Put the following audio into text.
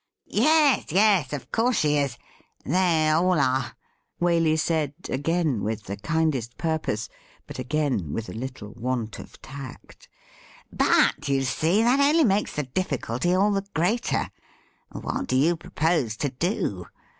' Yes, yes ; of course she is — they all are,' Waley said again with the kindest purpose, but again with a little want of tact. ' But, you see, that only makes the difficulty all the greater. What do you propose to do